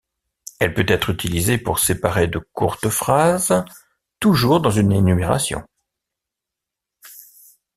Elle peut être utilisée pour séparer de courtes phrases, toujours dans une énumération.